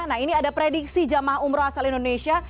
nah ini ada prediksi jemaah umroh asal indonesia